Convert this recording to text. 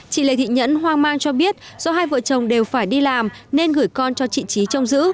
chị lê thị nhẫn hoang mang cho biết do hai vợ chồng đều phải đi làm nên gửi con cho chị trí trông giữ